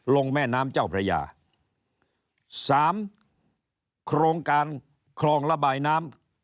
แม่น้ำเจ้าพระยาสามโครงการคลองระบายน้ำ